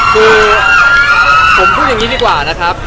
คือผมพูดอย่างนี้ดีกว่านะครับ